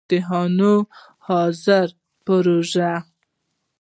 امتحانونه، ،حاضری، پروژی